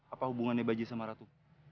apa hubungannya baji sama ratu